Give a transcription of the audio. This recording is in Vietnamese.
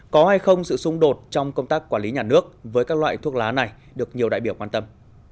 có hay không sự xung đột trong công tác quản lý nhà nước với các loại thuốc lá này được nhiều đại biểu quan tâm